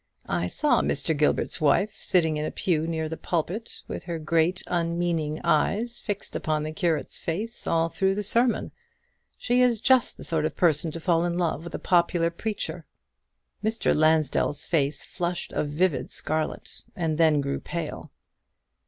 I saw Mr. Gilbert's wife sitting in a pew near the pulpit, with her great unmeaning eyes fixed upon the curate's face all through the sermon. She is just the sort of person to fall in love with a popular preacher." Mr. Lansdell's face flushed a vivid scarlet, and then grew pale.